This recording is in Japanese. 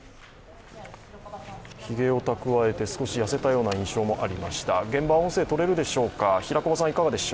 ひげを蓄えて、少し痩せたような印象もありました。